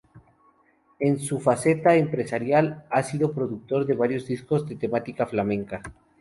En su faceta empresarial, ha sido productor de varios discos de temática flamenca.